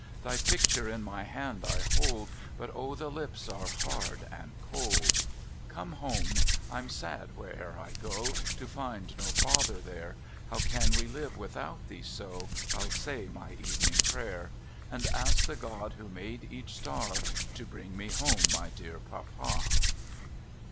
Thy picture in my hand I hold, But O the lips are hard and cold ! Come home! I'm sad where'er I go, To find no father there: How can we live without thee so? Fll say my evening praver. And ask the God who made each star, To bring me home my dear papa!